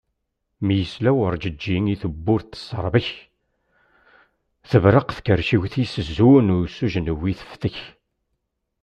Mi yesla werǧeǧǧi i tewwurt teṣṣerbek, tebreq tkerciwt-is zun s ujenwi teftek.